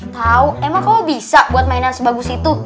tau emang kamu bisa buat mainan sebagus itu